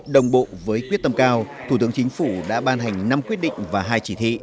đồng bộ với quyết tâm cao thủ tướng chính phủ đã ban hành năm quyết định và hai chỉ thị